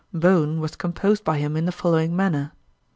Bone was composed by him in the following manner.